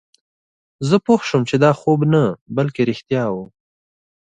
زه پوه شوم چې دا خوب نه بلکې رښتیا وه